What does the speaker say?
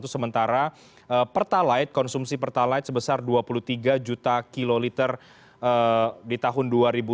sementara pertalite konsumsi pertalite sebesar dua puluh tiga juta kiloliter di tahun dua ribu dua puluh